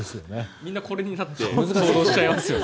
みんなこれになって行動しちゃいますよね。